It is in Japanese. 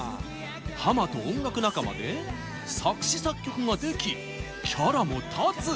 ハマと音楽仲間で作詞・作曲ができキャラも立つ！